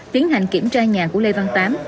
tiến hành kiểm tra nhà của lê văn tám